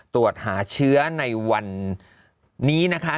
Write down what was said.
ตรวจหาเชื้อในวันนี้นะคะ